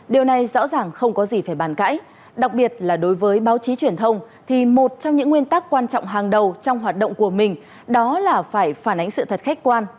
điều này rõ ràng không có gì phải bàn cãi đặc biệt là đối với báo chí truyền thông thì một trong những nguyên tắc quan trọng hàng đầu trong hoạt động của mình đó là phải phản ánh sự thật khách quan